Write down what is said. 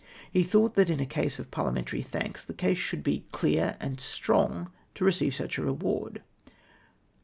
He thought that in a case of parliamentary thanks the case should be clear and strong to receive sucli a reward.